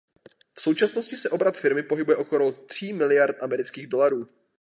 V současnosti se obrat firmy pohybuje okolo tří miliard amerických dolarů.